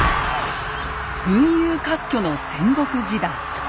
群雄割拠の戦国時代。